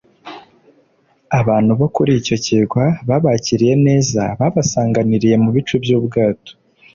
Abantu bo kuri icyo kirwa babakiriye neza babasanganiriye mu bice by’ubwato